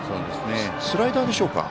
スライダーでしょうか。